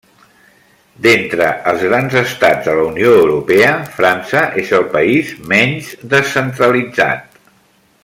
D'entre els grans estats de la Unió Europea, França és el país menys descentralitzat.